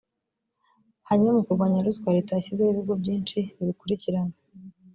hanyuma mu kurwanya ruswa leta yashyizeho ibigo byinshi bibikurikirana